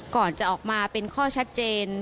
ก่อนจะออกมาเป็นข้อชัดเจน